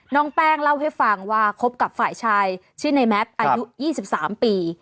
น้องแป้งเล่าให้ฟังว่าคบกับฝ่ายชายชื่อในแมทอายุ๒๓ปี